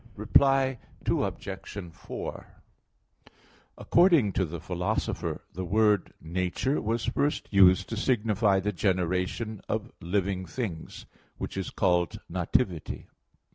Reply Obj. 4: According to the Philosopher (Metaph. v, 5), the word "nature" was first used to signify the generation of living things, which is called nativity.